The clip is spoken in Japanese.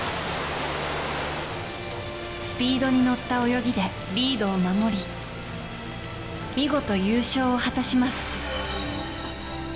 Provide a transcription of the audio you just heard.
スピードに乗った泳ぎでリードを守り見事、優勝を果たします。